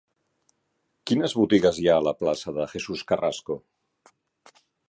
Quines botigues hi ha a la plaça de Jesús Carrasco?